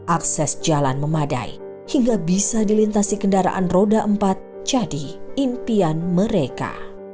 akses jalan memadai hingga bisa dilintasi kendaraan roda empat jadi impian mereka